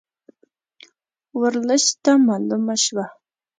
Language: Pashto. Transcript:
ورلسټ ته معلومه شوه.